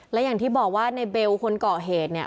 และอย่างที่บอกว่าในเบลคนเกาะเหตุเนี่ย